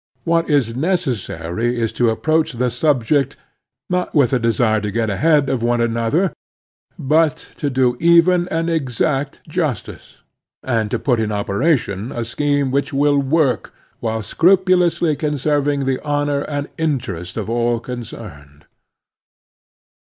What is necessary is to approach the sub ject, not with a desire to get ahead of one another, but to do even and exact justice, and to put into operation a scheme which will work, while scrupu lously conserving the honor and interest of all concerned.